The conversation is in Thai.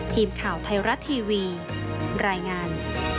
ทีมข่าวไทยรัฐทีวีรายงาน